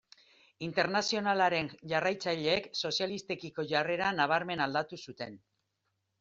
Internazionalaren jarraitzaileek sozialistekiko jarrera nabarmen aldatu zuten.